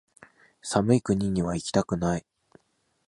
寒い国にはいきたくない